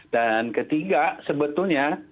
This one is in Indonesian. dan ketiga sebetulnya